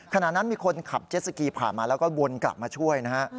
ขณะนั้นมีคนขับเจ็ดสกีผ่านมาแล้วก็วนกลับมาช่วยนะฮะ